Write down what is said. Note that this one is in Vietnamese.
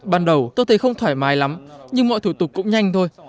ban đầu tôi thấy không thoải mái lắm nhưng mọi thủ tục cũng nhanh thôi